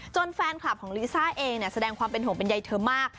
แฟนคลับของลิซ่าเองแสดงความเป็นห่วงเป็นใยเธอมาก